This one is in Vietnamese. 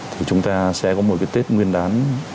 thì chúng ta sẽ có một cái tết nguyên đán